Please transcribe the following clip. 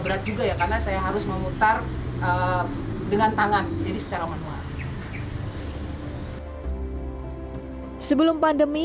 berat juga ya karena saya harus memutar dengan tangan jadi secara manual sebelum pandemi